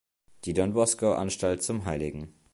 Die „Don Bosco-Anstalt zum hl.